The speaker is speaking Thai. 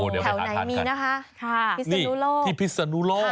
แถวไหนมีนะคะพิซาโนโลค่ะโอ้เดี๋ยวไปทาน